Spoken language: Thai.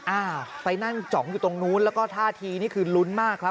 อ่าไปนั่งจ๋องอยู่ตรงนู้นแล้วก็ท่าทีนี่คือลุ้นมากครับ